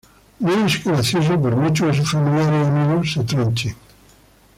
no es gracioso por mucho que sus familiares y amigos se tronchen